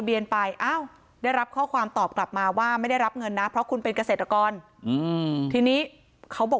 เดี๋ยวไปดูคลิปภาพกันค่ะ